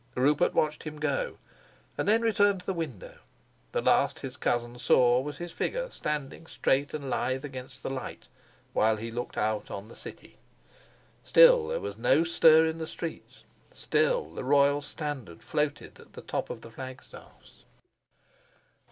Rupert watched him go, and then returned to the window. The last his cousin saw was his figure standing straight and lithe against the light, while he looked out on the city. Still there was no stir in the streets, still the royal standard floated at the top of the flag staffs.